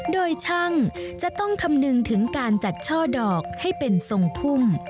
โดยช่างจะต้องคำนึงถึงการจัดช่อดอกให้เป็นทรงพุ่ม